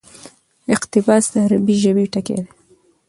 اقتباس: د عربي ژبي ټکى دئ.